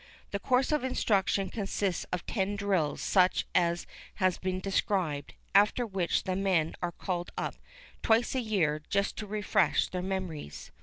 The course of instruction consists of ten drills such as has been described, after which the men are called up twice a year, just to refresh their memories.